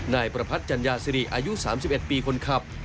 นายประพัทธจัญญาสิริอายุ๓๑ปีคนขับ